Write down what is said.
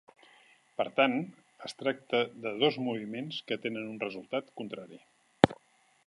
Per tant, es tracta de dos moviments que tenen un resultat contrari.